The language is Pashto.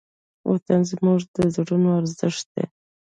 وطن زموږ د زړونو ارزښت دی.